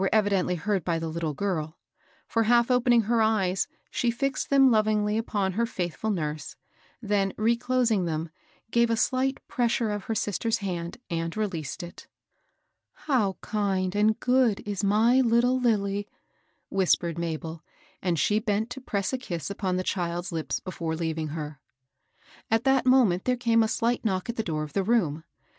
evidently heard by the little girl ; for, half opening her eyes, she fixed them lovingly npon her &ith fiil nurse, then, reclosing them, gave a slight pres sure of her sister's hand, and released it. " How kind and good is my httle Lilly 1 " whis pered Mabel, and she bent to press a kiss upon the child's lips before leaving her. At that moment there came a slight knock at the door of the room.